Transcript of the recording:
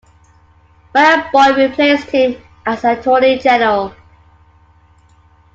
Marion Boyd replaced him as Attorney General.